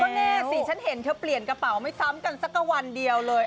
แน่สิฉันเห็นเธอเปลี่ยนกระเป๋าไม่ซ้ำกันสักวันเดียวเลย